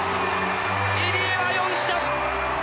入江は４着！